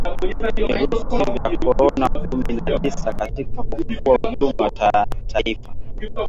virusi vya korona kumi na tisa katika kufufua uchumi wa taifa